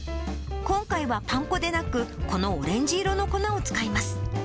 今回はパン粉でなく、このオレンジ色の粉を使います。